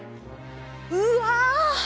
うわ。